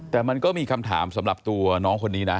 แต่มันก็มีคำถามสำหรับตัวน้องคนนี้นะ